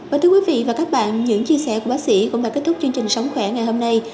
và thưa quý vị và các bạn những chia sẻ của bác sĩ cũng đã kết thúc chương trình sống khỏe ngày hôm nay